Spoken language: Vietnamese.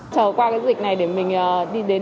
trở qua dịch này để mình đi đến